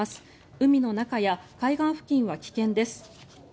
海の中や海岸付近は危険です。